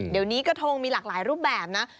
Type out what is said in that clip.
เดี๋ยวนี้กระทงมีหลากหลายรูปแบบนะ